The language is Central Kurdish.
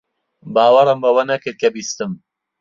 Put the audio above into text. باوەڕم بەوە نەکرد کە بیستم.